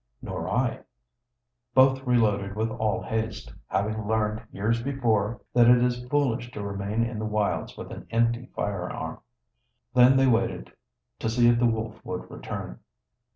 "Nor I." Both reloaded with all haste having learned years before that it is foolish to remain in the wilds with an empty firearm. Then they waited, to see if the wolf would return.